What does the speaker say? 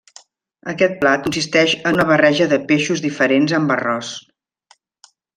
Aquest plat consisteix en una barreja de peixos diferents amb arròs.